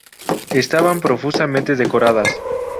Estaban profusamente decoradas.